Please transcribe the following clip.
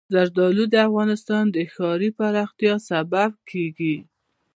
زردالو د افغانستان د ښاري پراختیا سبب کېږي.